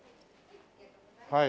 はい。